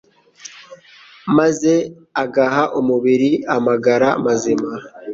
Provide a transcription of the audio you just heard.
maze agaha umubiri amagara mazima.